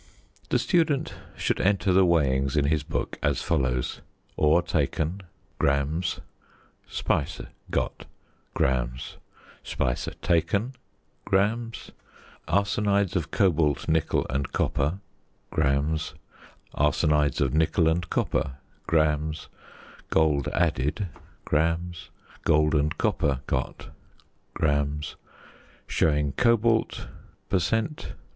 The student should enter the weighings in his book as follows: Ore taken grams Speise got " Speise taken grams Arsenides of cobalt, nickel, and copper "" nickel and copper " Gold added " Gold and copper got " Showing Cobalt per cent.